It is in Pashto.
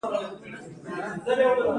موږ د جان رالز د استعارې مرسته اخلو.